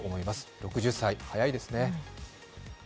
６０歳、早いですね。